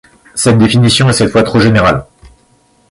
Cette définition est cette fois trop générale.